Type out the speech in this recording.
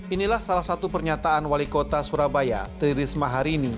inilah salah satu pernyataan wali kota surabaya tririsma harini